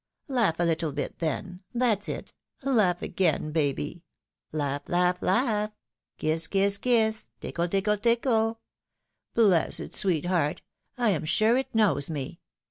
Laugh a little bit then — ^that's it — ^laugh again, baby — ^laugh, laugh, laugh, kiss, kiss, kiss, tickle, tickle, tickle. Bless its sweet heart ! I am sure it knows me